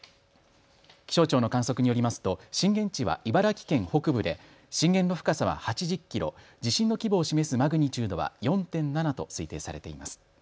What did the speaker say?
気象庁の観測によりますと震源地は茨城県北部で震源の深さは８０キロ、地震の規模を示すマグニチュードは４．７と推定されています。